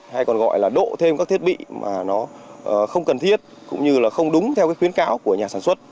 hay còn gọi là đổ thêm các thiết bị mà nó không cần thiết cũng như là không đúng theo khuyến cáo của nhà sản xuất